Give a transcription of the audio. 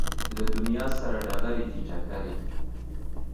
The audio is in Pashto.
له دنیا سره ډغرې دي ټکرې